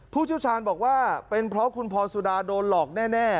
ผู้เชี่ยวชาญบอกว่าเป็นเพราะคุณพรสุดาโดนหลอกแน่